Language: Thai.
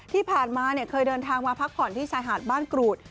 ที่ผ่านมาเคยเดินทางมาพักผ่อนที่ชายหาดบ้านกรูด